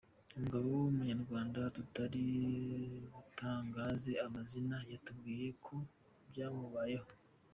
Umugabo w’ umunyarwanda tutari butangaze amazina yatubwiye ko byamubayeho.